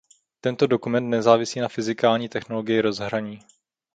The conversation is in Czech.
Tento dokument nezávisí na fyzikální technologii rozhraní.